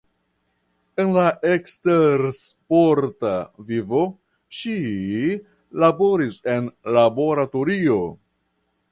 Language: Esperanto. En la ekstersporta vivo ŝi laboris en laboratorio.